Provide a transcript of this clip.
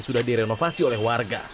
sudah direnovasi oleh warga